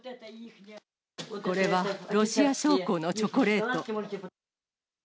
これはロシア将校のチョコレート。